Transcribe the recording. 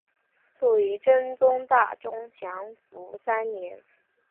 卒于真宗大中祥符三年。